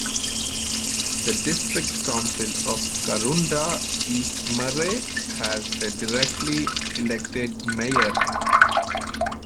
The District Council of Karoonda East Murray has a directly-elected mayor.